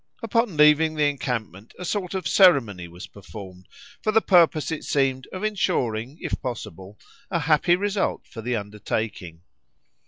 Upon leaving the encampment a sort of ceremony was performed, for the purpose, it seemed, of ensuring, if possible, a happy result for the undertaking.